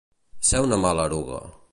Ser una mala eruga.